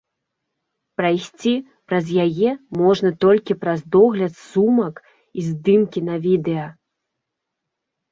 Прайсці праз яе можна толькі праз догляд сумак і здымкі на відэа.